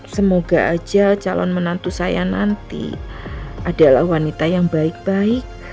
semoga aja calon menantu saya nanti adalah wanita yang baik baik